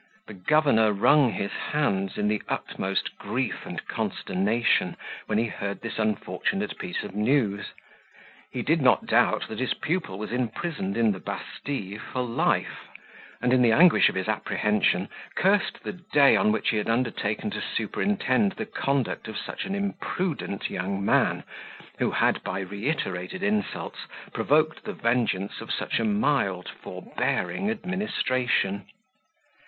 The governor wrung his hands in the utmost grief and consternation when he heard this unfortunate piece of news: he did not doubt that his pupil was imprisoned in the Bastille for life; and, in the anguish of his apprehension, cursed the day on which he had undertaken to superintend the conduct of such an imprudent young man, who had, by reiterated insults, provoked the vengeance of such a mild, forbearing administration.